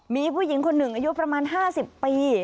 มีผู้หญิงคนหนึ่งอายุประมาณ๕๐ปี